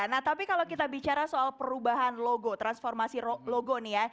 nah tapi kalau kita bicara soal perubahan logo transformasi logo nih ya